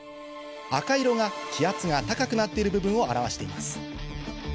赤色が気圧が高くなっている部分を表しています